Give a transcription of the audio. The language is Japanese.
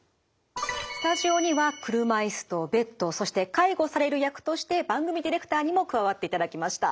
スタジオには車いすとベッドそして介護される役として番組ディレクターにも加わっていただきました。